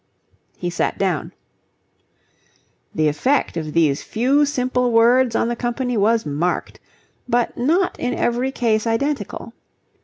He sat down. The effect of these few simple words on the company was marked, but not in every case identical.